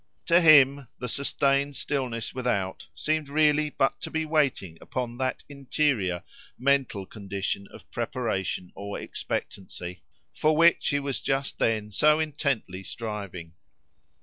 To him the sustained stillness without seemed really but to be waiting upon that interior, mental condition of preparation or expectancy, for which he was just then intently striving.